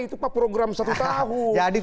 itu program satu tahun